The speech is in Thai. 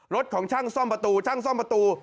รถของช่างซ่อมประตูช่างซ่อมประตู